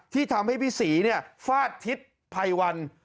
ที่ทำให้พี่ศรีฟาดทิศภัยวัน